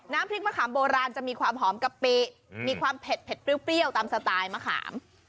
น้ำพริกมะขามโบราณจะมีความหอมกะปิมีความเผ็ดเปรี้ยวตามสไตล์มะขาม